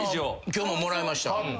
今日ももらいました。